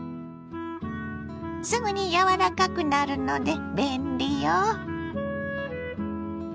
すぐに柔らかくなるので便利よ。